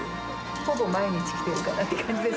ほぼ毎日来てるって感じです